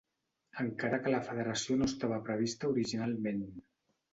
Encara que la federació no estava prevista originalment.